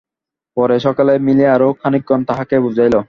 পরে সকলে মিলিয়া আরও খানিকক্ষণ তাহাকে বুঝাইল।